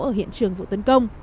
ở hiện trường vụ tấn công